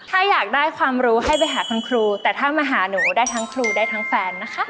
ถ้าอยากได้ความรู้ให้ไปหาคุณครูแต่ถ้ามาหาหนูได้ทั้งครูได้ทั้งแฟนนะคะ